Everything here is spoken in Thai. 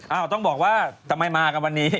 ต้องบอกว่าทำไมมากันวันนี้